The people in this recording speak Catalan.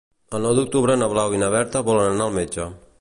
El nou d'octubre na Blau i na Berta volen anar al metge.